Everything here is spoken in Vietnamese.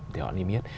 để họ nêm biết